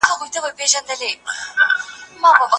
مه پرېږدئ چې ماشومان په ککړ ځای کې لوبې وکړي.